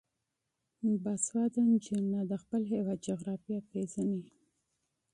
باسواده نجونې د خپل هیواد جغرافیه پیژني.